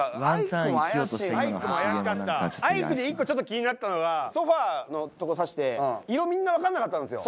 アイクも怪しかったアイクで１個気になったのがソファのとこ指して色みんな分かんなかったんですよ。